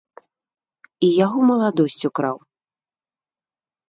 І яго маладосць украў.